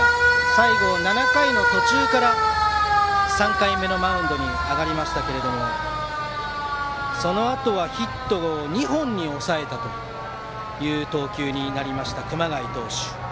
最後、７回途中から３回目のマウンドに上がりましたがそのあとはヒットを２本に抑えた投球になりました、熊谷投手。